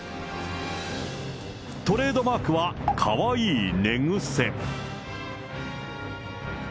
トレードマークはかわいい寝癖。